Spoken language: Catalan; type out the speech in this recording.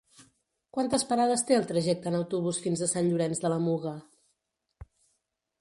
Quantes parades té el trajecte en autobús fins a Sant Llorenç de la Muga?